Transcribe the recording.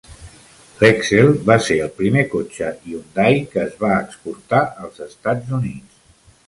L'Excel va ser el primer cotxe Hyundai que es va exportar als Estats Units.